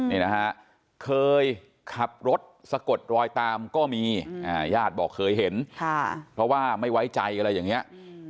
นี่นะฮะเคยขับรถสะกดรอยตามก็มีญาติบอกเคยเห็นเพราะว่าไม่ไว้ใจอะไรอย่างนี้